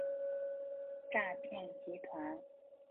诈骗集团